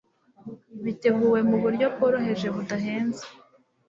Biteguwe mu Buryo Bworoheje Budahenze